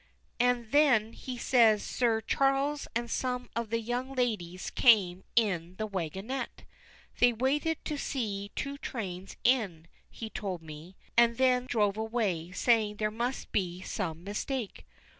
And then he says Sir Charles and some of the young ladies came in the waggonette. They waited to see two trains in, he told me, and then drove away saying there must be some mistake.